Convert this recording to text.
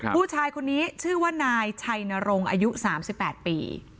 ผู้ชายคนนี้ชื่อว่านายชัยนรงค์อายุ๓๘ปี